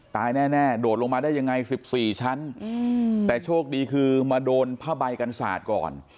แน่โดดลงมาได้ยังไง๑๔ชั้นแต่โชคดีคือมาโดนผ้าใบกันสาดก่อน